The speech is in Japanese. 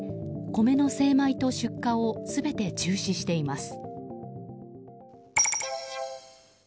米の精米と出荷を全て中止しています。